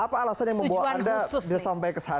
apa alasan yang membawa anda sampai ke sana